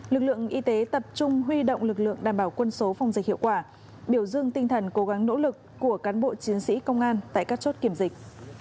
lực lượng y tế tập trung huy động lực lượng đảm bảo quân số phòng dịch hiệu quả biểu dương tinh thần cố gắng nỗ lực của cán bộ chiến sĩ công an tại các chốt kiểm dịch